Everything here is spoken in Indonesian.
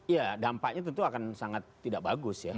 ya dampaknya tentu akan sangat tidak bagus ya